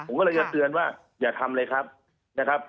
ผมก็เลยจะเตือนว่าอย่าทำเลยครับนะครับ